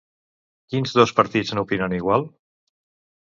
Quins dos partits no opinen igual?